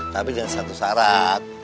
tapi jangan satu satu ya pak